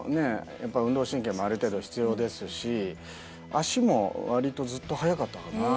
やっぱ運動神経もある程度必要ですし足も割とずっと速かったかな。